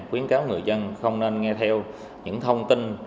khuyến cáo người dân không nên nghe theo những thông tin